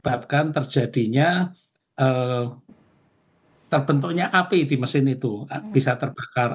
menyebabkan terjadinya terbentuknya api di mesin itu bisa terbakar